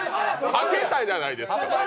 はけたじゃないですか。